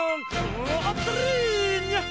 あったりニャ！